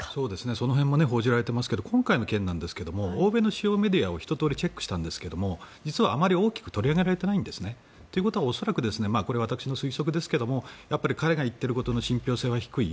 その辺も報じられていますが今回の件なんですが欧米の主要メディアをひと通りチェックしたんですが実はあまり大きく取り上げられていないんですね。ということは恐らく、これは私の推測ですが彼が言っていることの信ぴょう性は低い。